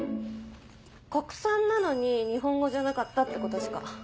国産なのに日本語じゃなかったってことしか。